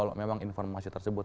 kalau memang informasi tersebut